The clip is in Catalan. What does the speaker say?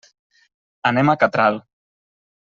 Anem a Catral.